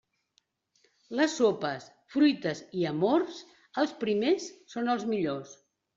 Les sopes, fruites i amors, els primers són els millors.